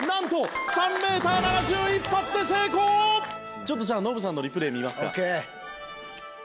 ちょっとじゃあノブさんのリプレイ見ますか。